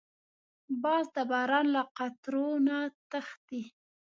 باز د باران له قطرو نه تښتي